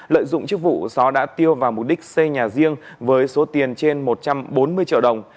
lợi dụng chức vụ gió đã tiêu vào mục đích xây nhà riêng với số tiền trên một trăm bốn mươi triệu đồng